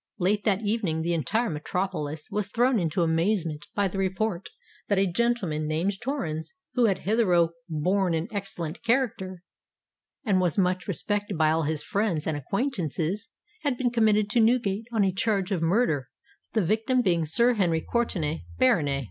Late that evening the entire metropolis was thrown into amazement by the report "that a gentleman, named Torrens, who had hitherto borne an excellent character, and was much respected by all his friends and acquaintances, had been committed to Newgate on a charge of murder, the victim being Sir Henry Courtenay, Baronet."